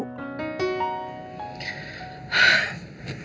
atau bagi luka el ini sama ibu